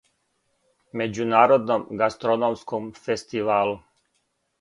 Међународном гастрономском фестивалу.